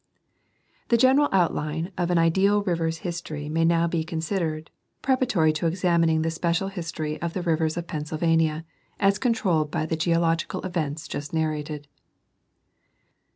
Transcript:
— The general outline of an ideal river's history may he now considered, preparatory to examining the special history of the rivers of Pennsylvania, as controlled by the geo logical events just narrated.